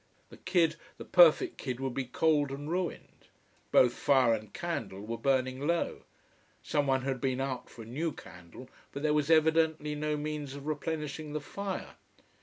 The kid, the perfect kid would be cold and ruined. Both fire and candle were burning low. Someone had been out for a new candle, but there was evidently no means of replenishing the fire.